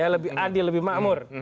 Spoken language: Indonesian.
lebih adil lebih makmur